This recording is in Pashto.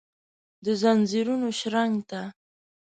دځنځیرونو شرنګ ته ،